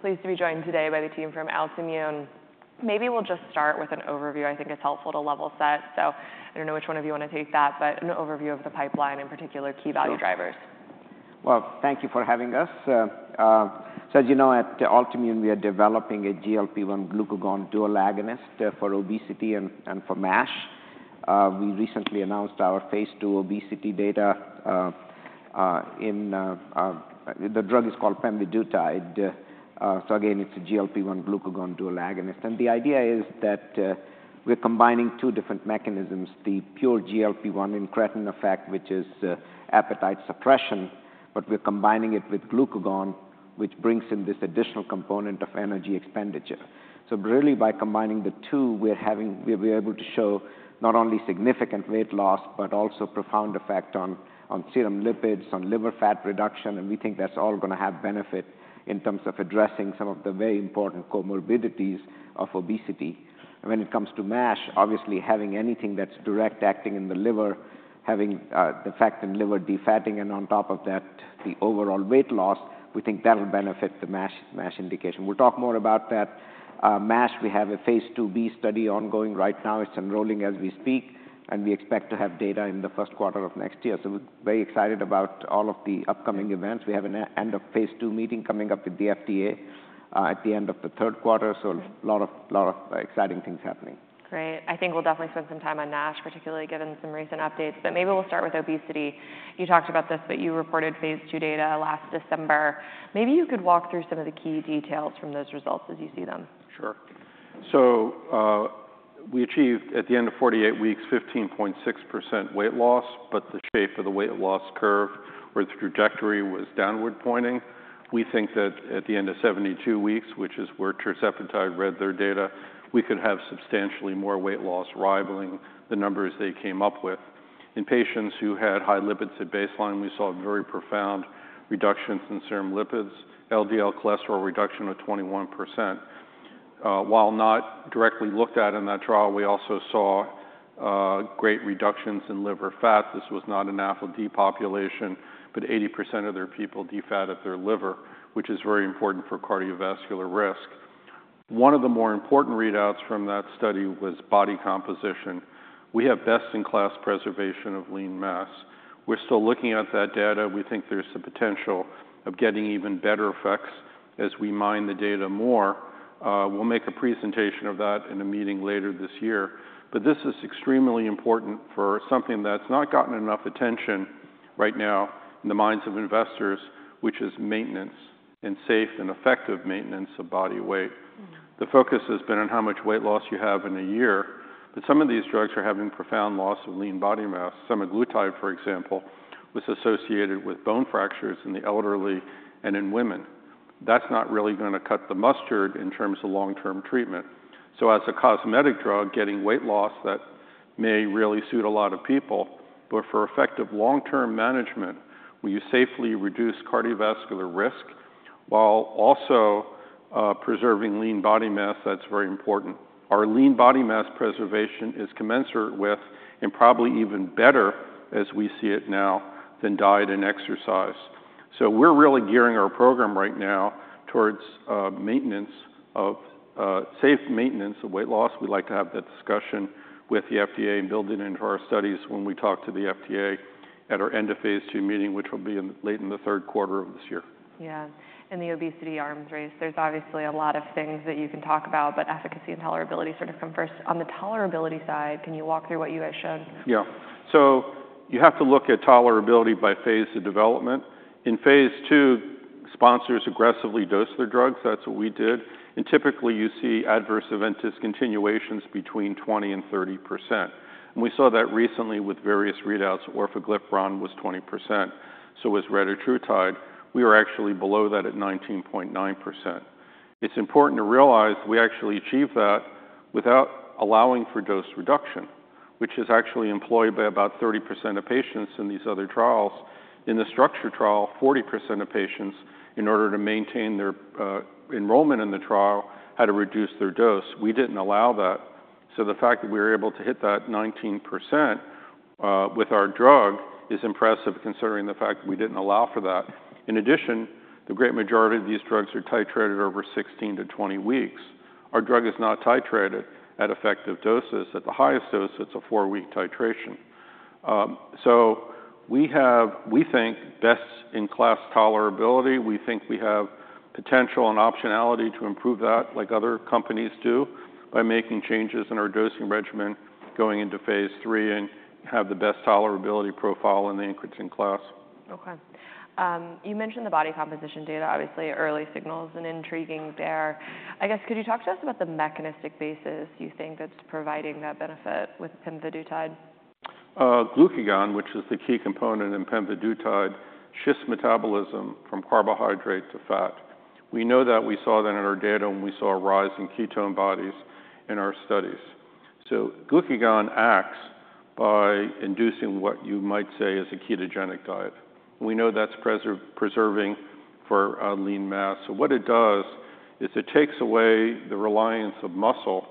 Pleased to be joined today by the team from Altimmune. Maybe we'll just start with an overview. I think it's helpful to level set. So I don't know which one of you want to take that, but an overview of the pipeline, in particular key value drivers. Well, thank you for having us. So, as you know, at Altimmune, we are developing a GLP-1 glucagon dual agonist for obesity and for MASH. We recently announced our phase ll obesity data. The drug is called pemvidutide. So again, it's a GLP-1 glucagon dual agonist. And the idea is that we're combining two different mechanisms: the pure GLP-1 incretin effect, which is appetite suppression, but we're combining it with glucagon, which brings in this additional component of energy expenditure. So really, by combining the two, we're able to show not only significant weight loss, but also a profound effect on serum lipids, on liver fat reduction. And we think that's all going to have benefit in terms of addressing some of the very important comorbidities of obesity. When it comes to MASH, obviously having anything that's direct acting in the liver, having the fact in liver defatting, and on top of that, the overall weight loss, we think that'll benefit the MASH indication. We'll talk more about that. MASH, we have a phase ll-B study ongoing right now. It's enrolling as we speak, and we expect to have data in the first quarter of next year. So we're very excited about all of the upcoming events. We have an end of phase ll meeting coming up with the FDA at the end of the third quarter. So a lot of exciting things happening. Great. I think we'll definitely spend some time on NASH, particularly given some recent updates. But maybe we'll start with obesity. You talked about this, but you reported phase ll data last December. Maybe you could walk through some of the key details from those results as you see them. Sure. So we achieved, at the end of 48 weeks, 15.6% weight loss, but the shape of the weight loss curve or the trajectory was downward pointing. We think that at the end of 72 weeks, which is where tirzepatide read out their data, we could have substantially more weight loss rivaling the numbers they came up with. In patients who had high lipids at baseline, we saw very profound reductions in serum lipids, LDL cholesterol reduction of 21%. While not directly looked at in that trial, we also saw great reductions in liver fat. This was not an apple-to-apple population, but 80% of their people defatted their liver, which is very important for cardiovascular risk. One of the more important readouts from that study was body composition. We have best-in-class preservation of lean mass. We're still looking at that data. We think there's the potential of getting even better effects as we mine the data more. We'll make a presentation of that in a meeting later this year. But this is extremely important for something that's not gotten enough attention right now in the minds of investors, which is maintenance and safe and effective maintenance of body weight. The focus has been on how much weight loss you have in a year, but some of these drugs are having profound loss of lean body mass. Semaglutide, for example, was associated with bone fractures in the elderly and in women. That's not really going to cut the mustard in terms of long-term treatment. So as a cosmetic drug, getting weight loss, that may really suit a lot of people, but for effective long-term management, will you safely reduce cardiovascular risk while also preserving lean body mass? That's very important. Our lean body mass preservation is commensurate with, and probably even better as we see it now, than diet and exercise. So we're really gearing our program right now towards maintenance of safe maintenance of weight loss. We'd like to have that discussion with the FDA and build it into our studies when we talk to the FDA at our end of phase ll meeting, which will be late in the third quarter of this year. Yeah. In the obesity arms race, there's obviously a lot of things that you can talk about, but efficacy and tolerability sort of come first. On the tolerability side, can you walk through what you guys showed? Yeah. So you have to look at tolerability by phase of development. In phase ll, sponsors aggressively dose their drugs. That's what we did. And typically, you see adverse event discontinuations between 20%-30%. And we saw that recently with various readouts. Orforglipron was 20%. So was retatrutide. We were actually below that at 19.9%. It's important to realize we actually achieved that without allowing for dose reduction, which is actually employed by about 30% of patients in these other trials. In the structure trial, 40% of patients, in order to maintain their enrollment in the trial, had to reduce their dose. We didn't allow that. So the fact that we were able to hit that 19% with our drug is impressive considering the fact that we didn't allow for that. In addition, the great majority of these drugs are titrated over 16-20 weeks. Our drug is not titrated at effective doses. At the highest dose, it's a four-week titration. We think best-in-class tolerability. We think we have potential and optionality to improve that like other companies do by making changes in our dosing regimen going into phase lll and have the best tolerability profile in the incretin class. Okay. You mentioned the body composition data. Obviously, early signals and intriguing there. I guess, could you talk to us about the mechanistic basis you think that's providing that benefit with pemvidutide? Glucagon, which is the key component in pemvidutide, shifts metabolism from carbohydrate to fat. We know that. We saw that in our data when we saw a rise in ketone bodies in our studies. So glucagon acts by inducing what you might say is a ketogenic diet. We know that's preserving for lean mass. So what it does is it takes away the reliance of muscle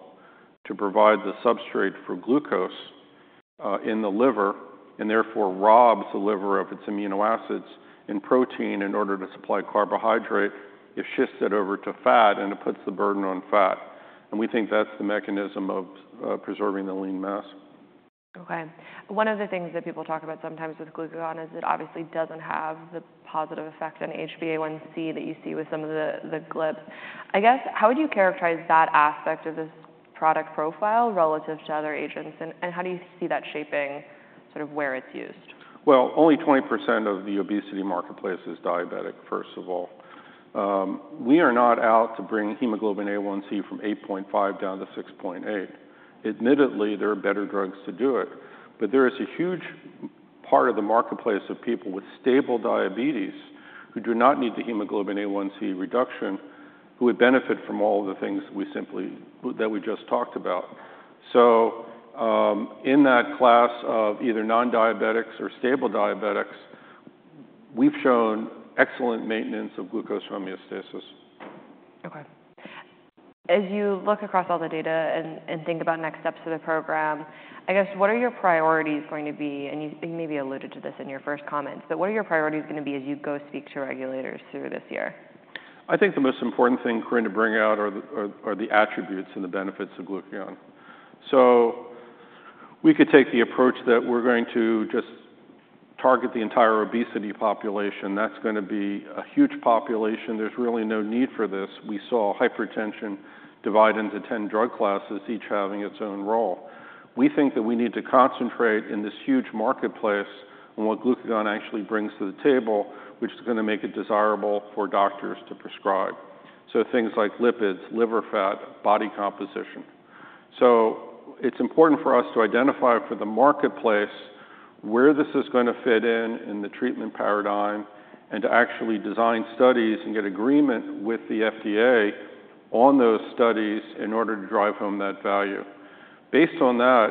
to provide the substrate for glucose in the liver and therefore robs the liver of its amino acids and protein in order to supply carbohydrate. It shifts it over to fat and it puts the burden on fat. We think that's the mechanism of preserving the lean mass. Okay. One of the things that people talk about sometimes with glucagon is it obviously doesn't have the positive effect on HbA1c that you see with some of the GLPs. I guess, how would you characterize that aspect of this product profile relative to other agents? And how do you see that shaping sort of where it's used? Well, only 20% of the obesity marketplace is diabetic, first of all. We are not out to bring hemoglobin A1c from 8.5 down to 6.8. Admittedly, there are better drugs to do it, but there is a huge part of the marketplace of people with stable diabetes who do not need the hemoglobin A1c reduction who would benefit from all of the things that we just talked about. So in that class of either non-diabetics or stable diabetics, we've shown excellent maintenance of glucose homeostasis. Okay. As you look across all the data and think about next steps of the program, I guess, what are your priorities going to be? And you maybe alluded to this in your first comments, but what are your priorities going to be as you go speak to regulators through this year? I think the most important thing we're going to bring out are the attributes and the benefits of glucagon. So we could take the approach that we're going to just target the entire obesity population. That's going to be a huge population. There's really no need for this. We saw hypertension divide into 10 drug classes, each having its own role. We think that we need to concentrate in this huge marketplace on what glucagon actually brings to the table, which is going to make it desirable for doctors to prescribe. So things like lipids, liver fat, body composition. So it's important for us to identify for the marketplace where this is going to fit in in the treatment paradigm and to actually design studies and get agreement with the FDA on those studies in order to drive home that value. Based on that,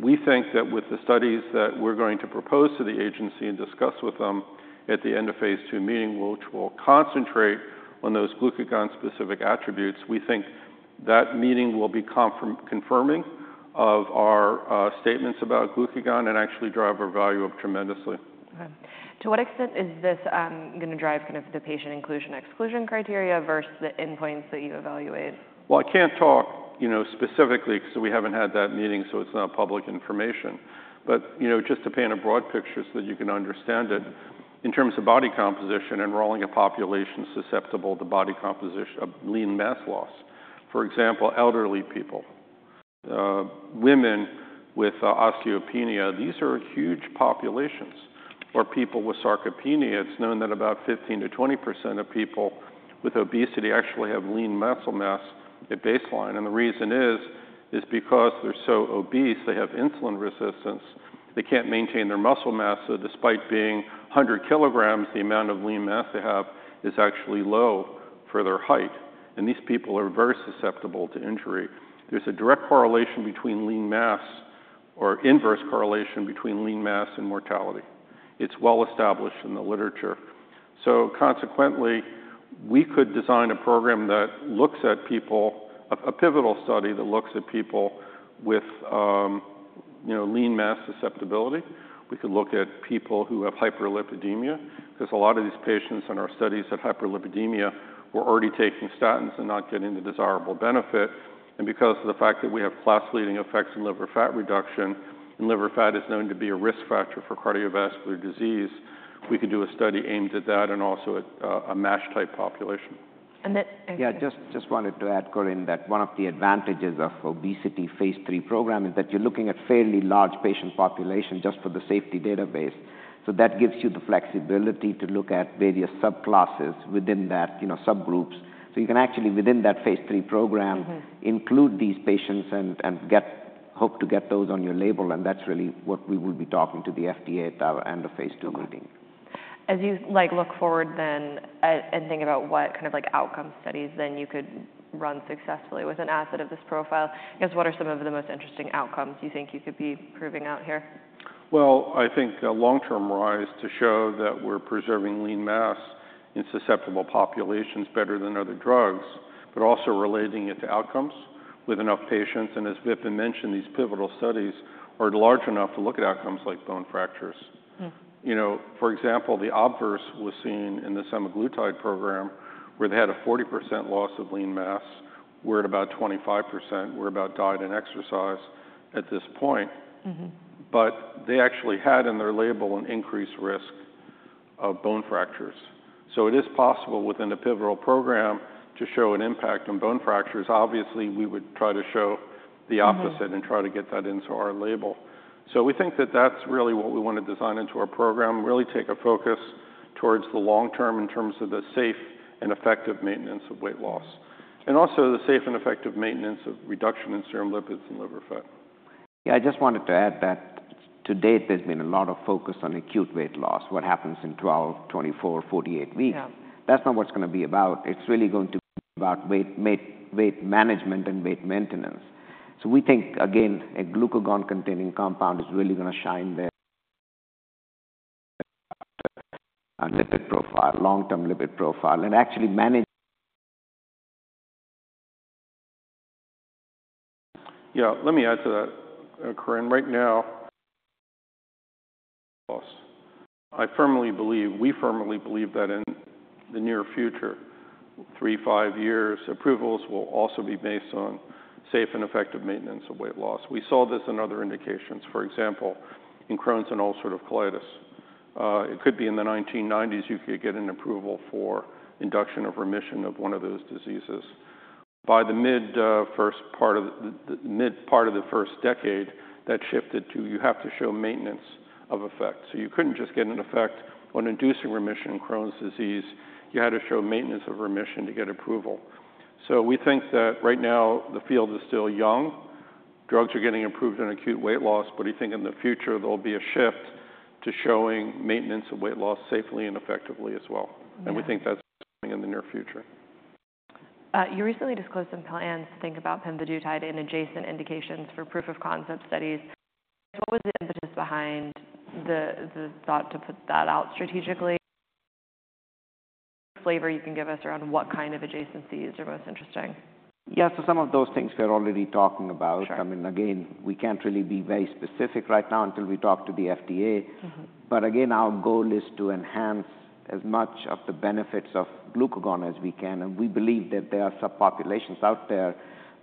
we think that with the studies that we're going to propose to the agency and discuss with them at the end-of-phase ll meeting, which will concentrate on those glucagon-specific attributes, we think that meeting will be confirming of our statements about glucagon and actually drive our value up tremendously. Okay. To what extent is this going to drive kind of the patient inclusion/exclusion criteria versus the endpoints that you evaluate? Well, I can't talk specifically because we haven't had that meeting, so it's not public information. But just to paint a broad picture so that you can understand it, in terms of body composition, enrolling a population susceptible to body composition of lean mass loss. For example, elderly people, women with osteopenia, these are huge populations, or people with sarcopenia. It's known that about 15%-20% of people with obesity actually have lean muscle mass at baseline. And the reason is because they're so obese, they have insulin resistance. They can't maintain their muscle mass. So despite being 100 kg, the amount of lean mass they have is actually low for their height. And these people are very susceptible to injury. There's a direct correlation between lean mass or inverse correlation between lean mass and mortality. It's well established in the literature. Consequently, we could design a program that looks at people, a pivotal study that looks at people with lean mass susceptibility. We could look at people who have hyperlipidemia because a lot of these patients in our studies had hyperlipidemia, were already taking statins and not getting the desirable benefit. Because of the fact that we have class-leading effects in liver fat reduction and liver fat is known to be a risk factor for cardiovascular disease, we could do a study aimed at that and also at a MASH-type population. Yeah, just wanted to add, Corinne, that one of the advantages of obesity phase lll program is that you're looking at fairly large patient population just for the safety database. So that gives you the flexibility to look at various subclasses within that subgroups. So you can actually, within that phase lll program, include these patients and hope to get those on your label. And that's really what we will be talking to the FDA at the End of phase ll Meeting. As you look forward then and think about what kind of outcome studies then you could run successfully with an asset of this profile, I guess, what are some of the most interesting outcomes you think you could be proving out here? Well, I think a long-term study to show that we're preserving lean mass in susceptible populations better than other drugs, but also relating it to outcomes with enough patients. As Vipin mentioned, these pivotal studies are large enough to look at outcomes like bone fractures. For example, the reverse was seen in the semaglutide program where they had a 40% loss of lean mass. We're at about 25%. We're about diet and exercise at this point. They actually had in their label an increased risk of bone fractures. It is possible within a pivotal program to show an impact on bone fractures. Obviously, we would try to show the opposite and try to get that into our label. So we think that that's really what we want to design into our program, really take a focus towards the long term in terms of the safe and effective maintenance of weight loss and also the safe and effective maintenance of reduction in serum lipids and liver fat. Yeah, I just wanted to add that to date, there's been a lot of focus on acute weight loss, what happens in 12, 24, 48 weeks. That's not what it's going to be about. It's really going to be about weight management and weight maintenance. So we think, again, a glucagon-containing compound is really going to shine there. Lipid profile, long-term lipid profile, and actually manage. Yeah, let me add to that, Corinne. Right now, I firmly believe, we firmly believe that in the near future, 3-5 years, approvals will also be based on safe and effective maintenance of weight loss. We saw this in other indications, for example, in Crohn's and ulcerative colitis. It could be in the 1990s you could get an approval for induction of remission of one of those diseases. By the mid first part of the mid part of the first decade, that shifted to you have to show maintenance of effect. So you couldn't just get an effect on inducing remission in Crohn's disease. You had to show maintenance of remission to get approval. So we think that right now the field is still young. Drugs are getting approved in acute weight loss, but I think in the future there'll be a shift to showing maintenance of weight loss safely and effectively as well. We think that's happening in the near future. You recently disclosed some plans to think about pemvidutide in adjacent indications for proof of concept studies. What was the impetus behind the thought to put that out strategically? Flavor, you can give us around what kind of adjacencies are most interesting? Yeah, so some of those things we are already talking about. I mean, again, we can't really be very specific right now until we talk to the FDA. But again, our goal is to enhance as much of the benefits of glucagon as we can. And we believe that there are subpopulations out there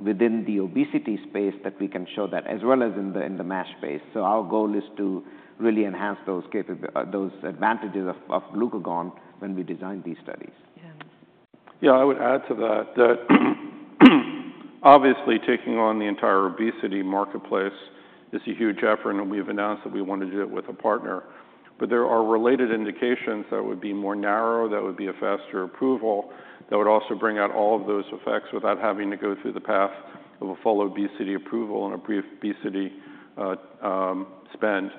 within the obesity space that we can show that, as well as in the MASH space. So our goal is to really enhance those advantages of glucagon when we design these studies. Yeah, I would add to that that obviously taking on the entire obesity marketplace is a huge effort. We've announced that we want to do it with a partner. There are related indications that would be more narrow, that would be a faster approval, that would also bring out all of those effects without having to go through the path of a full obesity approval and a pre-obesity spend.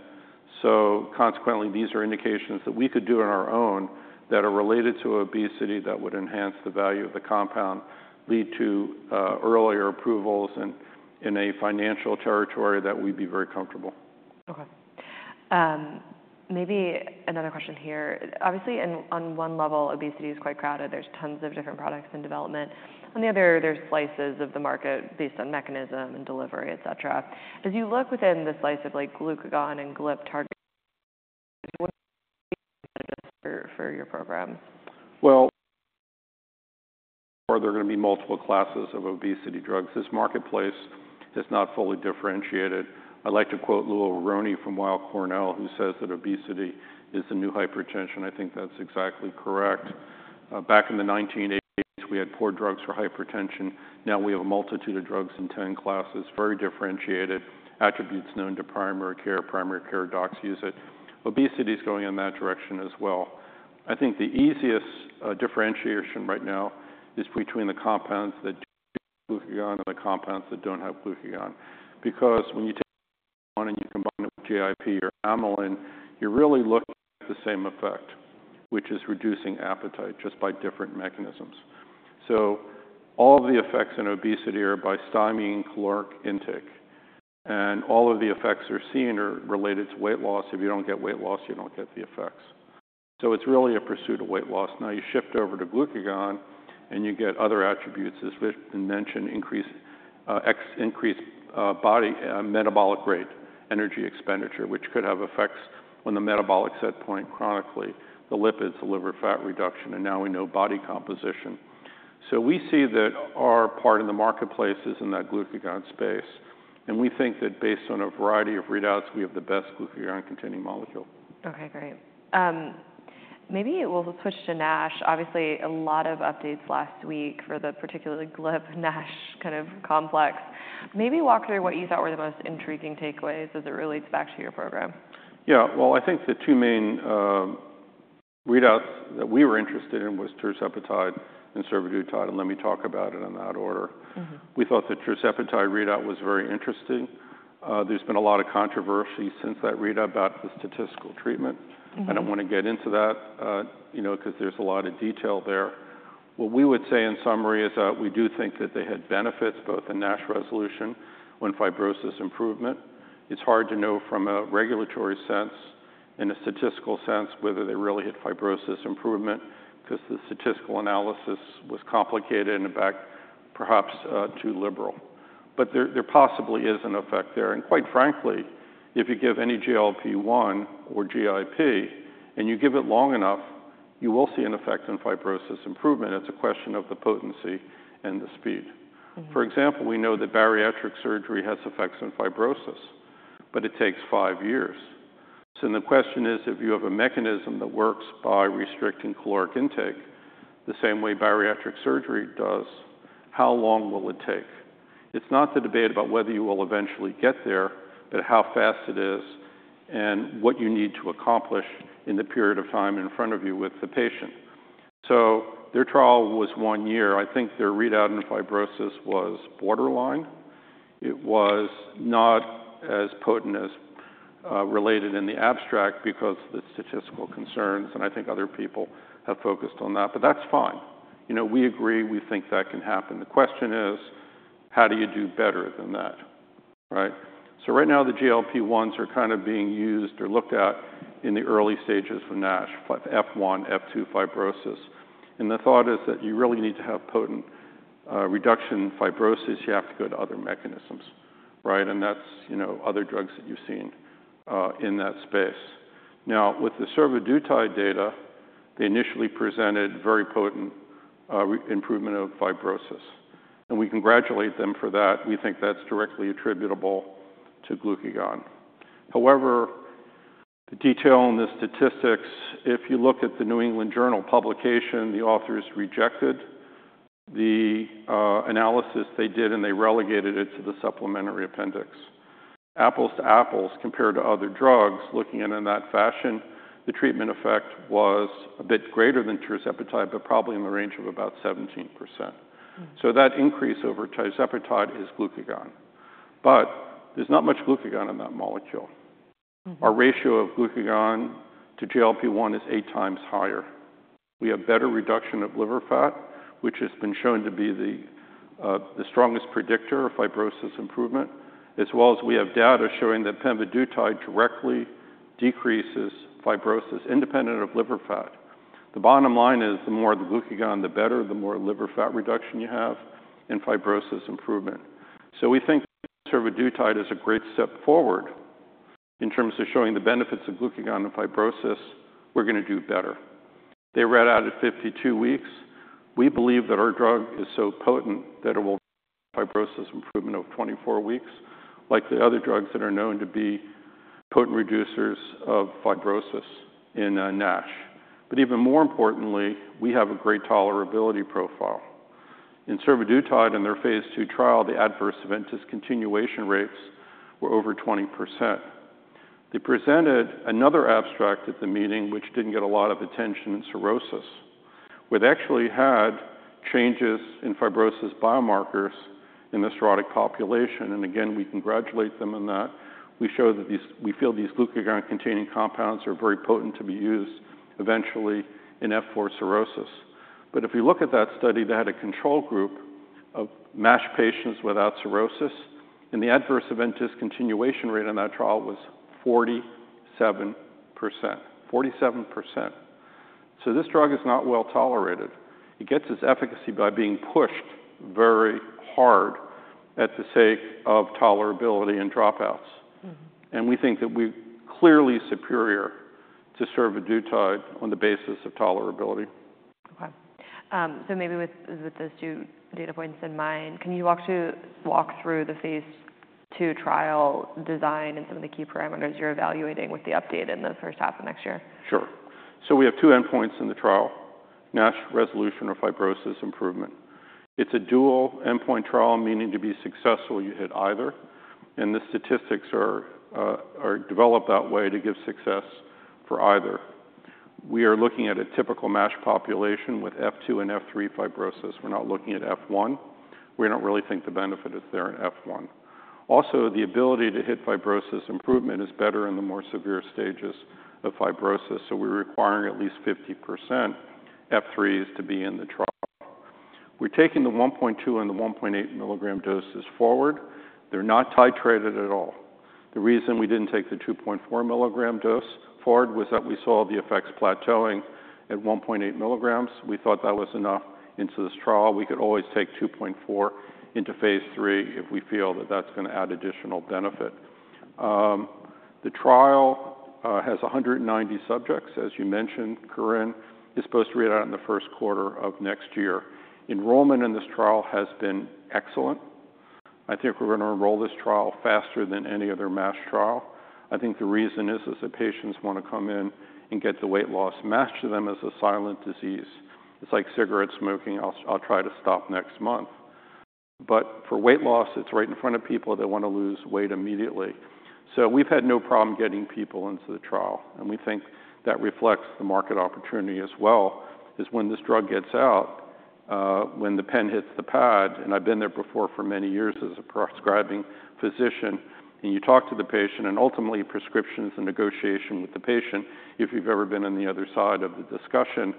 Consequently, these are indications that we could do on our own that are related to obesity that would enhance the value of the compound, lead to earlier approvals in a financial territory that we'd be very comfortable. Okay. Maybe another question here. Obviously, on one level, obesity is quite crowded. There's tons of different products in development. On the other, there's slices of the market based on mechanism and delivery, etc. As you look within the slice of glucagon and GLP targets, what are the benefits for your program? Well, there are going to be multiple classes of obesity drugs. This marketplace is not fully differentiated. I'd like to quote Louis Aronne from Weill Cornell, who says that obesity is the new hypertension. I think that's exactly correct. Back in the 1980s, we had poor drugs for hypertension. Now we have a multitude of drugs in 10 classes, very differentiated attributes known to primary care. Primary care docs use it. Obesity is going in that direction as well. I think the easiest differentiation right now is between the compounds that do glucagon and the compounds that don't have glucagon. Because when you take one and you combine it with GIP or amylin, you're really looking at the same effect, which is reducing appetite just by different mechanisms. So all of the effects in obesity are by stymieing caloric intake. All of the effects you're seeing are related to weight loss. If you don't get weight loss, you don't get the effects. So it's really a pursuit of weight loss. Now you shift over to glucagon and you get other attributes, as Vipin mentioned, increased body metabolic rate, energy expenditure, which could have effects on the metabolic set point chronically, the lipids, the liver fat reduction, and now we know body composition. So we see that our part in the marketplace is in that glucagon space. And we think that based on a variety of readouts, we have the best glucagon-containing molecule. Okay, great. Maybe we'll switch to NASH. Obviously, a lot of updates last week for the particular GLP-NASH kind of complex. Maybe walk through what you thought were the most intriguing takeaways as it relates back to your program. Yeah, well, I think the two main readouts that we were interested in were tirzepatide and survodutide. And let me talk about it in that order. We thought the tirzepatide readout was very interesting. There's been a lot of controversy since that readout about the statistical treatment. I don't want to get into that because there's a lot of detail there. What we would say in summary is that we do think that they had benefits, both in NASH resolution and fibrosis improvement. It's hard to know from a regulatory sense and a statistical sense whether they really had fibrosis improvement because the statistical analysis was complicated and, in fact, perhaps too liberal. But there possibly is an effect there. And quite frankly, if you give any GLP-1 or GIP and you give it long enough, you will see an effect in fibrosis improvement. It's a question of the potency and the speed. For example, we know that bariatric surgery has effects in fibrosis, but it takes 5 years. So the question is, if you have a mechanism that works by restricting caloric intake the same way bariatric surgery does, how long will it take? It's not the debate about whether you will eventually get there, but how fast it is and what you need to accomplish in the period of time in front of you with the patient. So their trial was 1 year. I think their readout in fibrosis was borderline. It was not as potent as related in the abstract because of the statistical concerns. And I think other people have focused on that. But that's fine. We agree. We think that can happen. The question is, how do you do better than that? Right? So right now, the GLP-1s are kind of being used or looked at in the early stages for NASH, F1, F2 fibrosis. And the thought is that you really need to have potent reduction in fibrosis. You have to go to other mechanisms. And that's other drugs that you've seen in that space. Now, with the survodutide data, they initially presented very potent improvement of fibrosis. And we congratulate them for that. We think that's directly attributable to glucagon. However, the detail in the statistics, if you look at the New England Journal publication, the authors rejected the analysis they did, and they relegated it to the supplementary appendix. Apples to apples compared to other drugs, looking at it in that fashion, the treatment effect was a bit greater than tirzepatide, but probably in the range of about 17%. So that increase over tirzepatide is glucagon. But there's not much glucagon in that molecule. Our ratio of glucagon to GLP-1 is eight times higher. We have better reduction of liver fat, which has been shown to be the strongest predictor of fibrosis improvement, as well as we have data showing that pemvidutide directly decreases fibrosis independent of liver fat. The bottom line is the more glucagon, the better, the more liver fat reduction you have in fibrosis improvement. So we think survodutide is a great step forward in terms of showing the benefits of glucagon in fibrosis. We're going to do better. They read out at 52 weeks. We believe that our drug is so potent that it will fibrosis improvement over 24 weeks, like the other drugs that are known to be potent reducers of fibrosis in NASH. But even more importantly, we have a great tolerability profile. In survodutide and their phase ll trial, the adverse event discontinuation rates were over 20%. They presented another abstract at the meeting, which didn't get a lot of attention in cirrhosis, where they actually had changes in fibrosis biomarkers in the cirrhotic population. And again, we congratulate them on that. We show that we feel these glucagon-containing compounds are very potent to be used eventually in F4 cirrhosis. But if you look at that study, they had a control group of MASH patients without cirrhosis, and the adverse event discontinuation rate in that trial was 47%. 47%. So this drug is not well tolerated. It gets its efficacy by being pushed very hard at the sake of tolerability and dropouts. And we think that we're clearly superior to survodutide on the basis of tolerability. Okay. Maybe with those 2 data points in mind, can you walk through the phase ll trial design and some of the key parameters you're evaluating with the update in the first half of next year? Sure. So we have two endpoints in the trial: NASH resolution or fibrosis improvement. It's a dual endpoint trial, meaning to be successful, you hit either. And the statistics are developed that way to give success for either. We are looking at a typical MASH population with F2 and F3 fibrosis. We're not looking at F1. We don't really think the benefit is there in F1. Also, the ability to hit fibrosis improvement is better in the more severe stages of fibrosis. So we're requiring at least 50% F3s to be in the trial. We're taking the 1.2 mg and the 1.8 mg doses forward. They're not titrated at all. The reason we didn't take the 2.4 mg dose forward was that we saw the effects plateauing at 1.8 mg. We thought that was enough into this trial. We could always take 2.4 into phase lll if we feel that that's going to add additional benefit. The trial has 190 subjects, as you mentioned, Corinne. It's supposed to read out in the first quarter of next year. Enrollment in this trial has been excellent. I think we're going to enroll this trial faster than any other MASH trial. I think the reason is that patients want to come in and get the weight loss matched to them as a silent disease. It's like cigarette smoking. I'll try to stop next month. But for weight loss, it's right in front of people that want to lose weight immediately. So we've had no problem getting people into the trial. And we think that reflects the market opportunity as well, is when this drug gets out, when the pen hits the pad. I've been there before for many years as a prescribing physician. You talk to the patient, and ultimately, prescriptions and negotiation with the patient, if you've ever been on the other side of the discussion,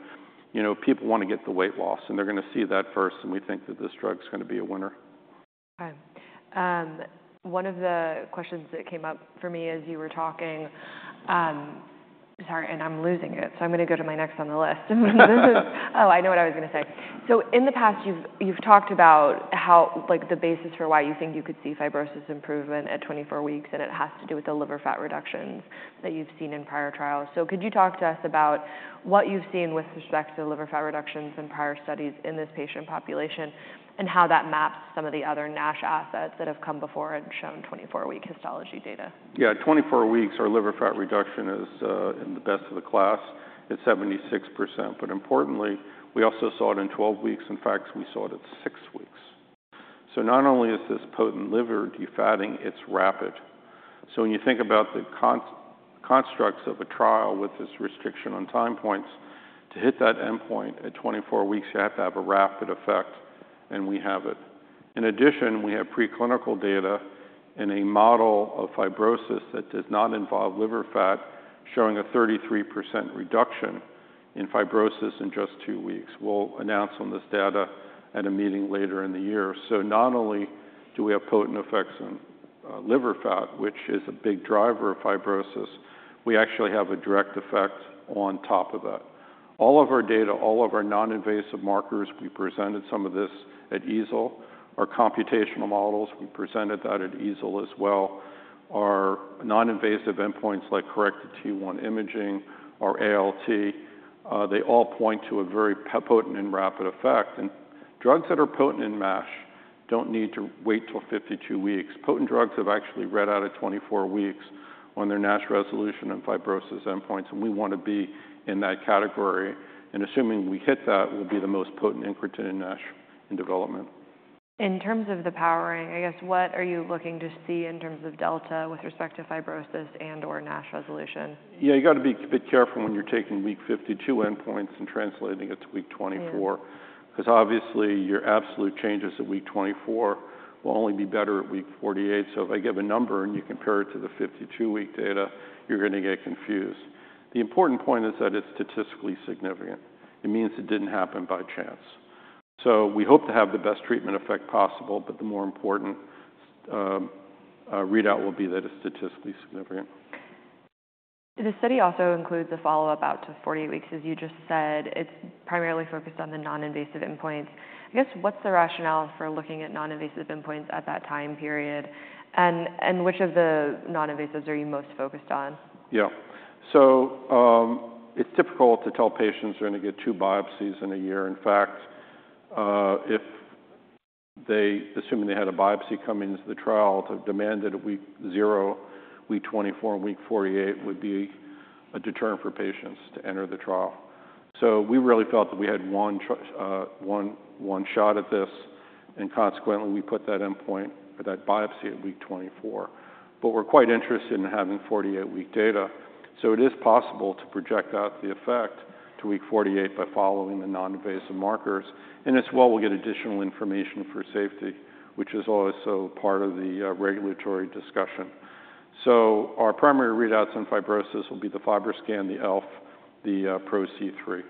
people want to get the weight loss. They're going to see that first. We think that this drug is going to be a winner. Okay. One of the questions that came up for me as you were talking, sorry, and I'm losing it. So I'm going to go to my next on the list. Oh, I know what I was going to say. So in the past, you've talked about the basis for why you think you could see fibrosis improvement at 24 weeks, and it has to do with the liver fat reductions that you've seen in prior trials. So could you talk to us about what you've seen with respect to liver fat reductions in prior studies in this patient population and how that maps to some of the other NASH assets that have come before and shown 24-week histology data? Yeah, 24 weeks, our liver fat reduction is in the best of the class. It's 76%. But importantly, we also saw it in 12 weeks. In fact, we saw it at 6 weeks. So not only is this potent liver defatting, it's rapid. So when you think about the constructs of a trial with this restriction on time points, to hit that endpoint at 24 weeks, you have to have a rapid effect. And we have it. In addition, we have preclinical data in a model of fibrosis that does not involve liver fat, showing a 33% reduction in fibrosis in just 2 weeks. We'll announce on this data at a meeting later in the year. So not only do we have potent effects in liver fat, which is a big driver of fibrosis, we actually have a direct effect on top of that. All of our data, all of our non-invasive markers, we presented some of this at EASL, our computational models, we presented that at EASL as well. Our non-invasive endpoints like corrected T1 imaging, our ALT, they all point to a very potent and rapid effect. And drugs that are potent in MASH don't need to wait till 52 weeks. Potent drugs have actually read out at 24 weeks on their NASH resolution and fibrosis endpoints. And we want to be in that category. And assuming we hit that, we'll be the most potent incretin in NASH in development. In terms of the powering, I guess, what are you looking to see in terms of delta with respect to fibrosis and/or NASH resolution? Yeah, you got to be a bit careful when you're taking week 52 endpoints and translating it to week 24. Because obviously, your absolute changes at week 24 will only be better at week 48. So if I give a number and you compare it to the 52-week data, you're going to get confused. The important point is that it's statistically significant. It means it didn't happen by chance. So we hope to have the best treatment effect possible. But the more important readout will be that it's statistically significant. This study also includes a follow-up out to 48 weeks, as you just said. It's primarily focused on the non-invasive endpoints. I guess, what's the rationale for looking at non-invasive endpoints at that time period? And which of the non-invasives are you most focused on? Yeah. So it's typical to tell patients they're going to get 2 biopsies in a year. In fact, assuming they had a biopsy come into the trial, to demand it at week 0, week 24, and week 48 would be a deterrent for patients to enter the trial. So we really felt that we had one shot at this. And consequently, we put that endpoint or that biopsy at week 24. But we're quite interested in having 48-week data. So it is possible to project out the effect to week 48 by following the non-invasive markers. And as well, we'll get additional information for safety, which is also part of the regulatory discussion. So our primary readouts in fibrosis will be the FibroScan, the ELF, the Pro-C3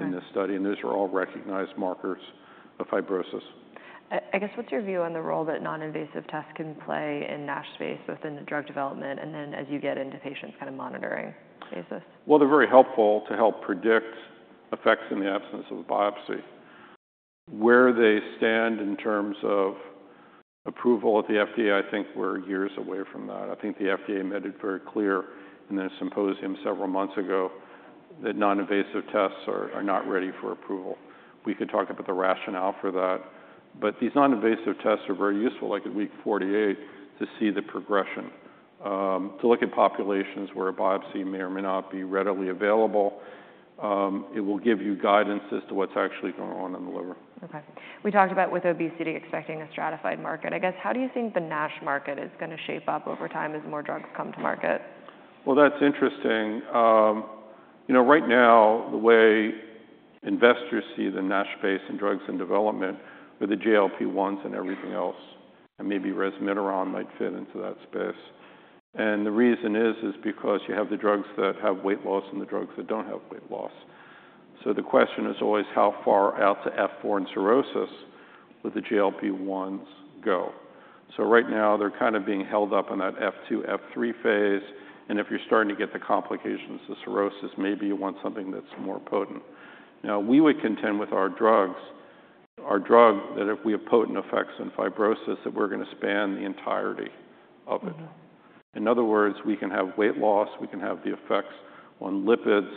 in this study. And those are all recognized markers of fibrosis. I guess, what's your view on the role that non-invasive tests can play in NASH space, both in the drug development and then as you get into patients' kind of monitoring basis? Well, they're very helpful to help predict effects in the absence of a biopsy. Where they stand in terms of approval at the FDA, I think we're years away from that. I think the FDA made it very clear in their symposium several months ago that non-invasive tests are not ready for approval. We could talk about the rationale for that. But these non-invasive tests are very useful, like at week 48, to see the progression. To look at populations where a biopsy may or may not be readily available, it will give you guidance as to what's actually going on in the liver. Okay. We talked about with obesity expecting a stratified market. I guess, how do you think the NASH market is going to shape up over time as more drugs come to market? Well, that's interesting. Right now, the way investors see the NASH space and drugs in development with the GLP-1s and everything else, and maybe resmetirom might fit into that space. The reason is because you have the drugs that have weight loss and the drugs that don't have weight loss. The question is always how far out to F4 and cirrhosis with the GLP-1s go. Right now, they're kind of being held up in that F2, F3 phase. If you're starting to get the complications of cirrhosis, maybe you want something that's more potent. Now, we would contend with our drugs that if we have potent effects in fibrosis, that we're going to span the entirety of it. In other words, we can have weight loss. We can have the effects on lipids.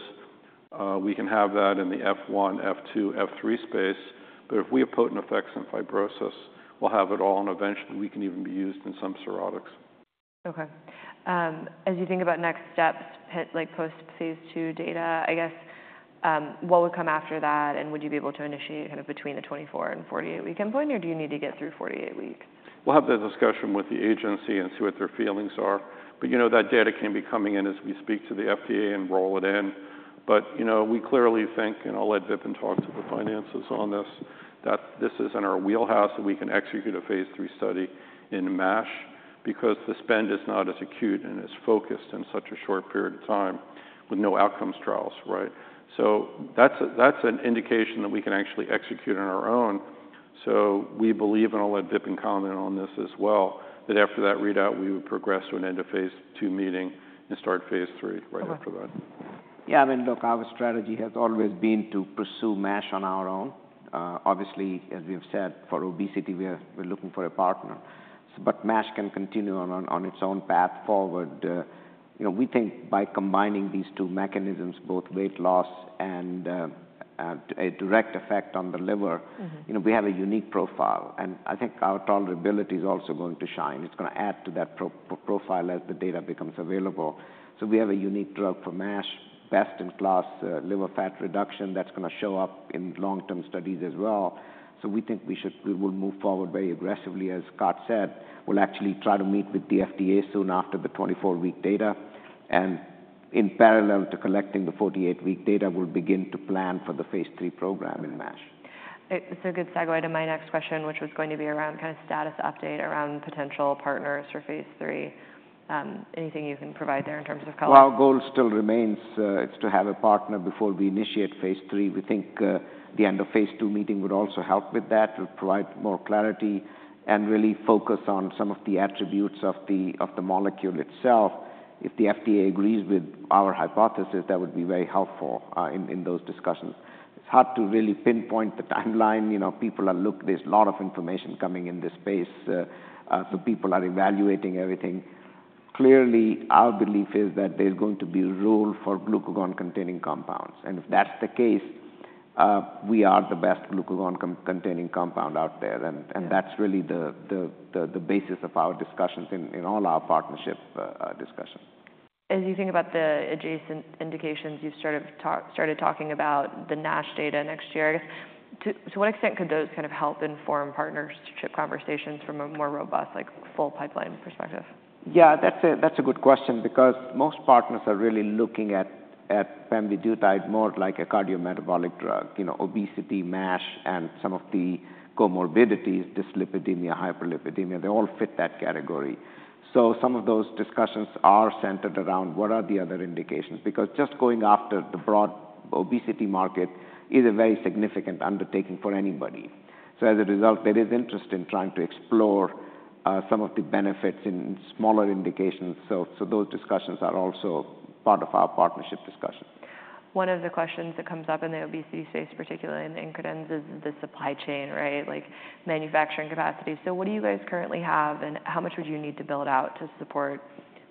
We can have that in the F1, F2, F3 space. If we have potent effects in fibrosis, we'll have it all. Eventually, we can even be used in some cirrhotics. Okay. As you think about next steps, like post-phase ll data, I guess, what would come after that? Would you be able to initiate kind of between the 24- and 48-week endpoint, or do you need to get through 48 weeks? We'll have that discussion with the agency and see what their feelings are. But that data can be coming in as we speak to the FDA and roll it in. But we clearly think, and I'll let Vipin talk to the finances on this, that this is in our wheelhouse that we can execute a phase lll study in MASH because the spend is not as acute and as focused in such a short period of time with no outcomes trials, right? So that's an indication that we can actually execute on our own. So we believe, and I'll let Vipin comment on this as well, that after that readout, we would progress to an end of phase ll meeting and start phase lll right after that. Yeah. I mean, look, our strategy has always been to pursue MASH on our own. Obviously, as we've said, for obesity, we're looking for a partner. But MASH can continue on its own path forward. We think by combining these two mechanisms, both weight loss and a direct effect on the liver, we have a unique profile. And I think our tolerability is also going to shine. It's going to add to that profile as the data becomes available. So we have a unique drug for MASH, best-in-class liver fat reduction that's going to show up in long-term studies as well. So we think we will move forward very aggressively, as Scott said. We'll actually try to meet with the FDA soon after the 24-week data. And in parallel to collecting the 48-week data, we'll begin to plan for the phase lll program in MASH. It's a good segue to my next question, which was going to be around kind of status update around potential partners for phase lll. Anything you can provide there in terms of color? Well, our goal still remains to have a partner before we initiate phase lll. We think the end of phase ll meeting would also help with that, will provide more clarity, and really focus on some of the attributes of the molecule itself. If the FDA agrees with our hypothesis, that would be very helpful in those discussions. It's hard to really pinpoint the timeline. There's a lot of information coming in this space. So people are evaluating everything. Clearly, our belief is that there's going to be a role for glucagon-containing compounds. And if that's the case, we are the best glucagon-containing compound out there. And that's really the basis of our discussions in all our partnership discussions. As you think about the adjacent indications, you've started talking about the NASH data next year. I guess, to what extent could those kind help inform partnership conversations from a more robust, full pipeline perspective? Yeah, that's a good question because most partners are really looking at pemvidutide more like a cardiometabolic drug. Obesity, MASH, and some of the comorbidities, dyslipidemia, hyperlipidemia, they all fit that category. So some of those discussions are centered around what are the other indications? Because just going after the broad obesity market is a very significant undertaking for anybody. So as a result, there is interest in trying to explore some of the benefits in smaller indications. So those discussions are also part of our partnership discussion. One of the questions that comes up in the obesity space, particularly in the incretins, is the supply chain, right, like manufacturing capacity. What do you guys currently have? And how much would you need to build out to support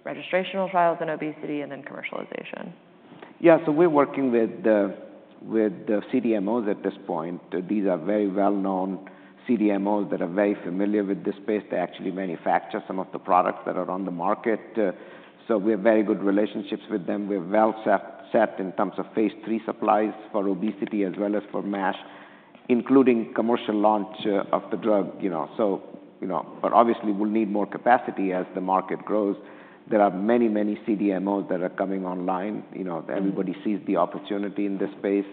registrational trials in obesity and then commercialization? Yeah. So we're working with the CDMOs at this point. These are very well-known CDMOs that are very familiar with this space. They actually manufacture some of the products that are on the market. So we have very good relationships with them. We're well set in terms of phase lll supplies for obesity as well as for MASH, including commercial launch of the drug. But obviously, we'll need more capacity as the market grows. There are many, many CDMOs that are coming online. Everybody sees the opportunity in this space.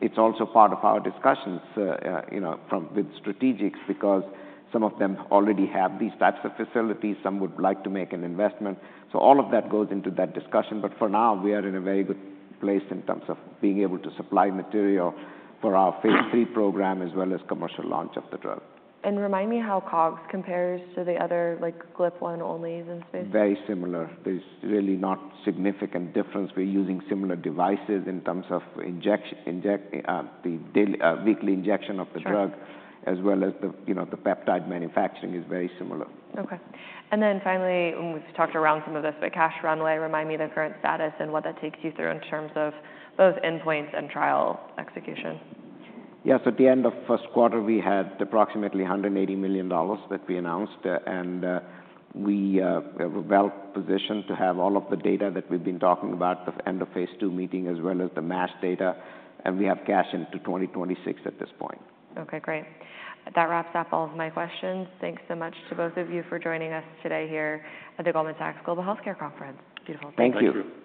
It's also part of our discussions with strategics because some of them already have these types of facilities. Some would like to make an investment. So all of that goes into that discussion. But for now, we are in a very good place in terms of being able to supply material for our phase lll program as well as commercial launch of the drug. Remind me how COGS compares to the other GLP-1 onlys in space? Very similar. There's really not a significant difference. We're using similar devices in terms of the weekly injection of the drug as well as the peptide manufacturing is very similar. Okay. And then finally, we've talked around some of this, but cash runway, remind me the current status and what that takes you through in terms of both endpoints and trial execution? Yeah. So at the end of first quarter, we had approximately $180 million that we announced. We are well positioned to have all of the data that we've been talking about, the end of phase ll meeting as well as the MASH data. We have cash into 2026 at this point. Okay. Great. That wraps up all of my questions. Thanks so much to both of you for joining us today here at the Goldman Sachs Global Healthcare Conference. Beautiful. Thank you. Thank you.